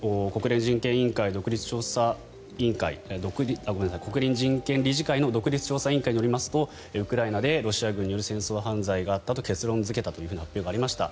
それから国連人権理事会の独立調査委員会によりますとウクライナでロシア軍による戦争犯罪があったと結論付けたと発表がありました。